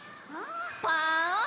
パオーン！